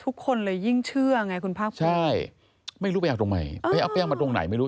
ทุกคนเลยยิ่งเชื่อไงคุณภาคภูมิใช่ไม่รู้ไปเอาตรงไหนไปเอาแป้งมาตรงไหนไม่รู้